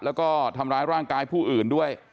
แล้วก็ทำร้ายร่างกายผู้อื่นด้วย